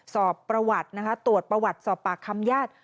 สอบประวัตินะคะตรวจประวัติสอบปากคำญาติ